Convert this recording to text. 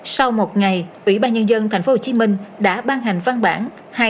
sau một ngày ủy ban nhân dân thành phố hồ chí minh đã ban hành văn bản hai nghìn chín trăm chín mươi bốn